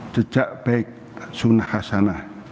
jejak baik sunnah hasanah